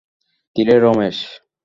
কিরে, রমেশ?